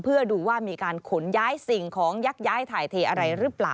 เพื่อดูว่ามีการขนย้ายสิ่งของยักย้ายถ่ายเทอะไรหรือเปล่า